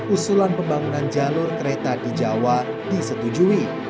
usulan pembangunan jalur kereta di jawa disetujui